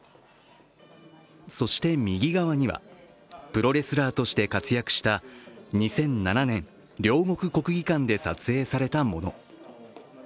そして右側には、プロレスラーとして活躍した２００７年、両国国技館で撮影されたもの。